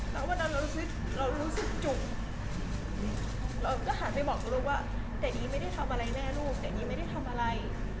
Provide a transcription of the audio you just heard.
แล้ววันนั้นเรารู้สึกจุ่มเราก็หาไปบอกลูกว่าแดดดี้ไม่ได้ทำอะไรแม่ลูกแดดดี้ไม่ได้ทำอะไร